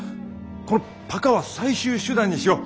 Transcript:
このパカは最終手段にしよう。